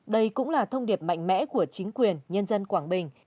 đây cũng là thông điệp mạnh mẽ của chính quyền nhân dân quảng bình